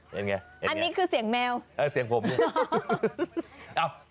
เป็นไงอันนี้คือเสียงแมวเออเสียงผมเนี่ย